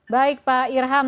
baik pak irham